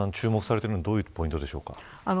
岩田さん、注目されているのはどういうポイントでしょうか。